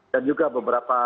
dan juga beberapa